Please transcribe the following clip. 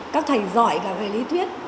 các thầy giỏi và về lý thuyết